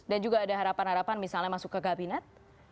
dan juga ada harapan harapan misalnya masuk ke gabinet